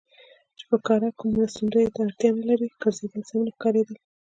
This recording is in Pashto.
چې په ښکاره کوم مرستندویه ته اړتیا نه لري، ګرځېدل سم نه ښکارېدل.